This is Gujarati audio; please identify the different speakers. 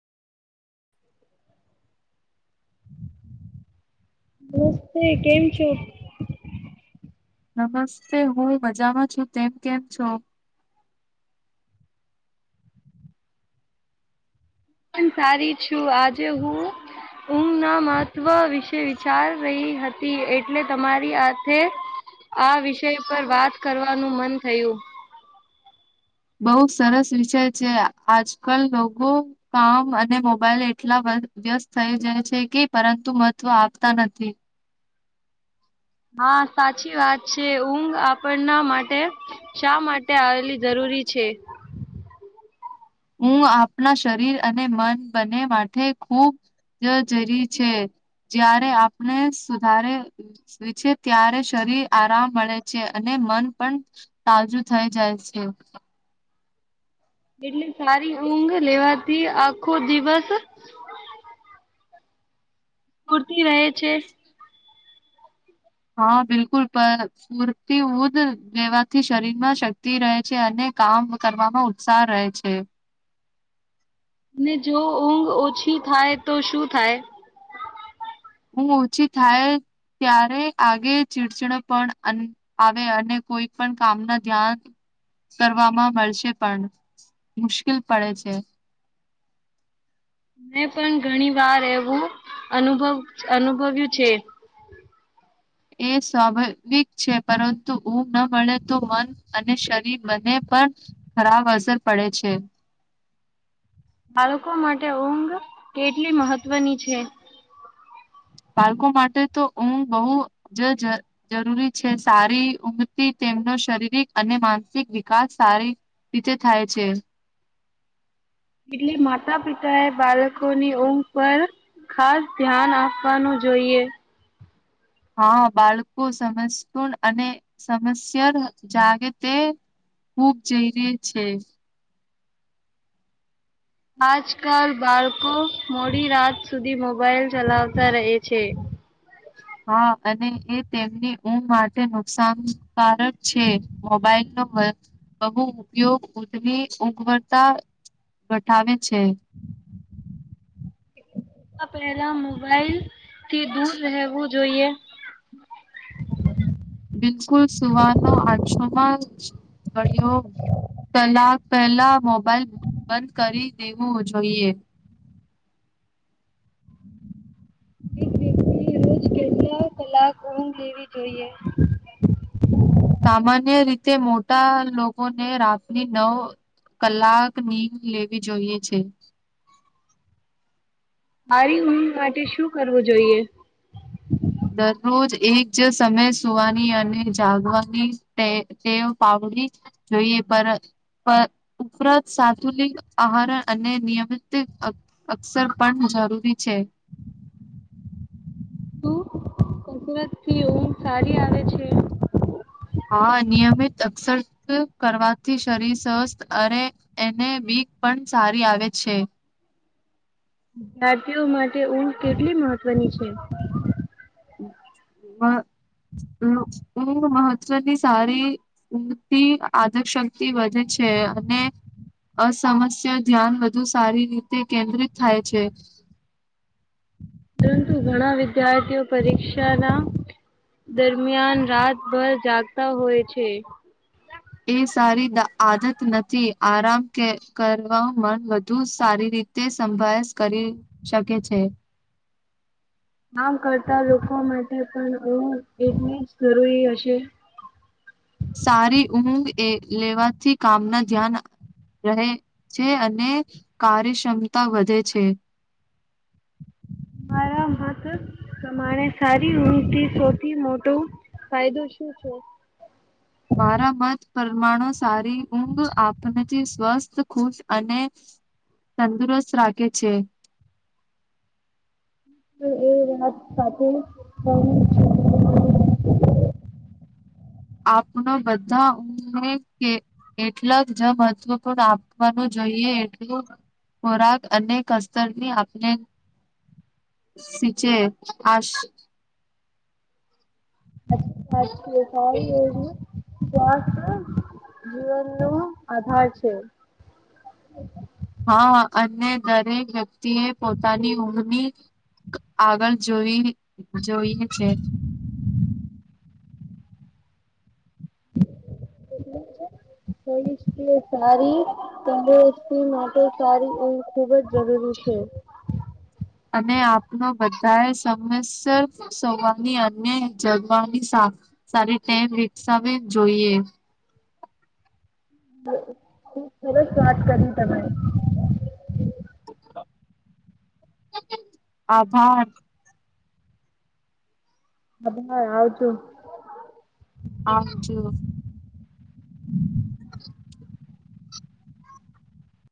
Speaker 1: નમસ્તે કેમ છો?
Speaker 2: નમસ્તે હું મજામાં છું તેમ કેમ છો?
Speaker 1: હાલો. સારી છું આજે હું ઊમનામાં વ વિશે વિચાર રહી હતી એટ એટલે તમારી હાથે. આ વિષય પર વાત કરવાનું મન થયું.
Speaker 2: બહુ સરસ વિષય છે આજકાલ લોકો કામ અને મોબાઈલ એટલા વ્યસ્ત થઈ જાય છે કે પરંતુ મહત્વ આપતા નથી.
Speaker 1: હા સાચી વાત છે ઊંઘ આપણના માટે શા માટે આવેલી જરૂરી છે?
Speaker 2: હું આપણા શરીર અને મન બને માટે ખૂબ જરી છે, જ્યારે આપણે સુધારે છે ત્યારે શરીર આરામ મળે છે અને મન પણ તાજું થઈ જાય છે.
Speaker 1: એટલે સારી ઊંઘ લેવાથી આખો દિવસ પૂરતી રહે છે.
Speaker 2: હા બિલકુલ ફૂરતી ઉધ લેવાથી શરીરમાં શક્તિ રહે છે અને કામ કરવામાં ઉત્સાહ રહે છે.
Speaker 1: ને જો ઊંઘ ઓછી થાય તો શું થાય?
Speaker 2: હું ઓછી થાય ત્યારે આગે ચીડચડ પણ આવે, અને કોઈ પણ કામના ધ્યાન કરવામાં મળશે પણ મુશ્કેલ પડે છે.
Speaker 1: મેં પણ ઘણી વાર એવું અનુભવ અનુભવ્યું છે.
Speaker 2: એ સ્વાભાવિક છે, પરંતુ ઊંઘ ન મળે તો મન અને શરીર બંને પણ ખરાબ અસર પડે છે.
Speaker 1: બાળકો માટે ઊંઘ કેટલી મહત્વની છે?
Speaker 2: બાળકો માટે તો ઊંઘ બહુ જ જરૂરી છે સારી ઊંઘથી તેમનો શારીરિક અને માનસિક વિકાસ સારી રીતે થાય છે.
Speaker 1: એટલે માતા પિતાએ બાળકોની ઊંઘ પર ખાસ ધ્યાન આપવાનું જોઈએ.
Speaker 2: હા બાળકો સમસણ અને સમસ્યા જાગે તે ખૂબ જઈ ર છે.
Speaker 1: આજકાલ બાળકો મોડી રાત સુધી મોબાઈલ ચલાવતા રહે છે.
Speaker 2: હા અને એ તેમની ઊં માટે નુકસાનકારક છે મોબાઈલનો બહુ ઉપયોગ ઉવી ઉગવડતા ઘઠાવે છે.
Speaker 1: [unintelligible] તે દૂર રહેવું જોઈએ.
Speaker 2: બિલકુલ સુવાનો આછોમા ઘળયો કલાક પહેલા મોબાઈલ બંધ કરી દેવો જોઈએ.
Speaker 1: એક વ્યક્તિ રોજ કેટલા કલાક ઊઘ લેવી જોઈએ?
Speaker 2: સામાન્ય રીતે મોટા લોકોને રાતની નવ કલાક નીંદ લેવી જોઈએ છે.
Speaker 1: સારી ઊઘ માટે શું કરવું જોઈએ?
Speaker 2: દરરોજ એક જ સમય સુવાની અને જાગવાની ટેવ પાવડી જોઈએ, પર પર ઉપરાંત સાથુલિક આહાર અને નિયમિત અક્ષર પણ જરૂરી છે.
Speaker 1: કસરત થી ઊઘ સારી આવે છે.
Speaker 2: હા નિયમિત અક્ષર કરવાથી, શરીર સ્વસ્થ અને એને બીક પણ સારી આવે છે.
Speaker 1: વિદ્યાર્તીયો માટે ઊંઘ કેટલી મહત્વની છે?
Speaker 2: મહત્વની સારી ઊંઘથી આદરશક્તિ વધે છે અને, અસમસ્યા ધ્યાન વધુ સારી રીતે કેન્દ્રિત થાય છે.
Speaker 1: પણ ઘણા વિદ્યાર્થીઓ પરીક્ષાના દરમિયાન રાતભર જાગતા હોય છે.
Speaker 2: એ સારી આદત નથી આરામ ક કરવા મન વધુ સારી રીતે સંભાયેશ કરી શકે છે.
Speaker 1: કમ કરતા લોકો માટે પણ એટલી જ જરૂરી હશે?
Speaker 2: સારી ઊંઘ લેવાથી કામના ધ્યાન રહે છે અને, કાર્યક્ષમતા વધે છે.
Speaker 1: મારા મત પ્રમાણે સારી ઊંઘથી થી સૌથી મોટો ફાયદો શું છે?
Speaker 2: મારા મત પરમાણુ સારી ઊંઘ આપથી સ્વસ્થ ખુશ અને, તંદુરસ્ત રાખે છે.
Speaker 1: પણ એ [unintelligible]
Speaker 2: આપના બધાને એટલાક જ મહત્વપૂર્ણ આપવાનું જોઈએ એટલું, ખોરાક અને કતરની આપને સીચે, આ
Speaker 1: [unintelligible] સ્વસ્થ જીવન નો આધાર છે.
Speaker 2: હા અને દરેક વ્યક્તિએ પોતાની ઊંઘની, આગળ જોઈ જોઈ છે.
Speaker 1: [unintelligible] માટે સારી ઊંઘ ખુબ જ જરૂરી છે.
Speaker 2: અને આપનો બધાએ સમયસર સવાની અન્ય જગવાની સારી સારી ટેવ વિકસાવે જોઈએ.
Speaker 1: ખૂબ સરસ વાત કરી તમે.
Speaker 2: આભાર.
Speaker 1: હા ભાઈ આવજો.
Speaker 2: આવજો. [inaudible]